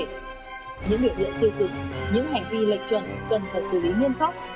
những biểu diễn tiêu cực những hành vi lệch chuẩn cần phải xử lý nguyên pháp